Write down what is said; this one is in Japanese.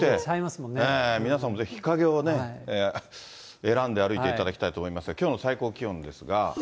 皆さんもぜひ日陰をね、選んで歩いていただきたいと思いますが、きょうの最高気温ですが。